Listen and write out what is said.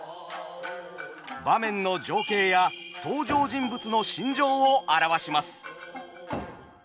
場面の情景や登場人物の心情を表します。